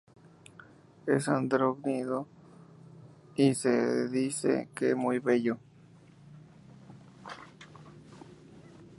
Es andrógino y se dice que muy bello.